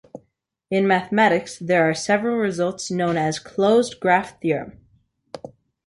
In mathematics, there are several results known as the "closed graph theorem".